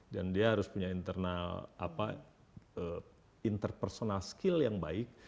dan dia harus punya interpersonal skill yang baik